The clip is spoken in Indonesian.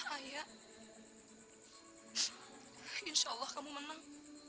ayah insyaallah kamu menang